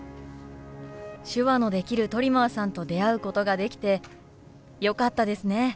手話のできるトリマーさんと出会うことができてよかったですね。